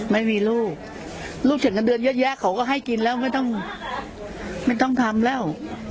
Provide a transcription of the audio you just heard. ไม่มีลูกลูกเสียเงินเดือนเยอะแยะเขาก็ให้กินแล้วไม่ต้องไม่ต้องทำแล้ว